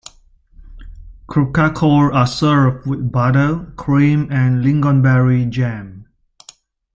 Kroppkakor are served with butter, cream and lingonberry jam.